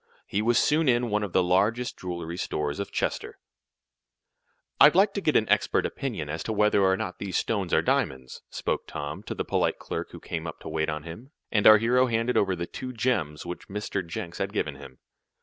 He was soon in one of the largest jewelry stores of Chester. "I'd like to get an expert opinion as to whether or not those stones are diamonds," spoke Tom, to the polite clerk who came up to wait on him, and our hero handed over the two gems which Mr. Jenks had given him.